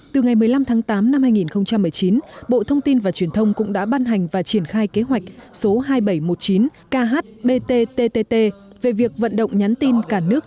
từ ngày một mươi năm tháng tám năm hai nghìn một mươi chín bộ thông tin và truyền thông cũng đã ban hành và triển khai kế hoạch số hai nghìn bảy trăm một mươi chín khbtt về việc vận động nhắn tin